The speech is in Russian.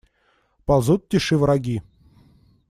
Ползут в тиши враги.